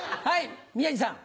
はい。